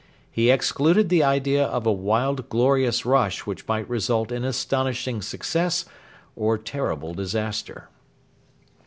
He excluded the idea of a wild glorious rush which might result in astonishing success or terrible disaster.